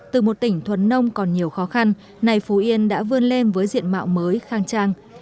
từ một tỉnh thuần nông còn nhiều khó khăn nay phú yên đã vươn lên với diện mạo mới khang trang